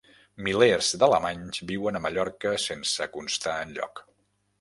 Milers d'alemanys viuen a Mallorca sense constar enlloc